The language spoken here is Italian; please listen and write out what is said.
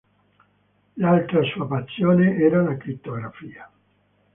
L'altra sua passione era la crittografia.